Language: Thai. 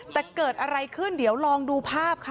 แต่เกิดอะไรขึ้นเดี๋ยวลองดูภาพค่ะ